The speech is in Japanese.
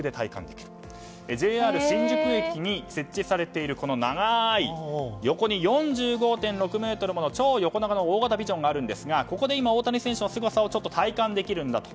ＪＲ新宿駅に設置されている横に４５．６ｍもの超横長の大型ビジョンがあるんですがここで今、大谷選手のすごさを体感できるんだと。